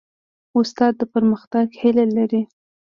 استاد د پرمختګ هیله لري.